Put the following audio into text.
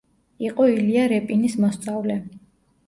იყო ილია რეპინის მოსწავლე.